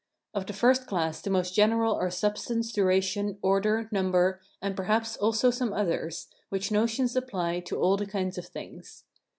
Of the first class the most general are substance, duration, order, number, and perhaps also some others, which notions apply to all the kinds of things.